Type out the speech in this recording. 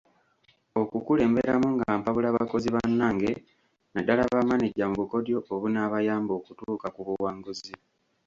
Okukulemberamu nga mpabula bakozi bannange naddala bamaneja mu bukodyo obunaabayamba okutuuka ku buwanguzi.